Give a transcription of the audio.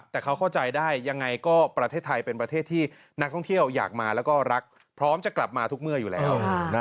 แต่เขาเข้าใจได้ยังไงก็ประเทศไทยเป็นประเทศที่นักท่องเที่ยวอยากมาแล้วก็รักพร้อมจะกลับมาทุกเมื่ออยู่แล้ว